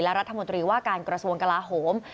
และรัฐมนตรีว่าการกระทรวงกลาโหม